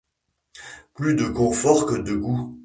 Plus de confort que de goût.